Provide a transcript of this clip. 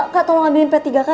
kak tolong ambilin pet tiga k ya